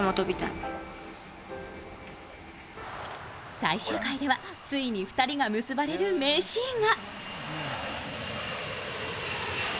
最終回ではついに２人が結ばれる名シーンが。